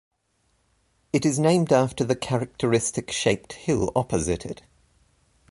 It is named after the characteristic shaped hill opposite it.